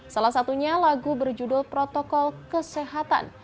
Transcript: salah satunya lagu berjudul protokol kesehatan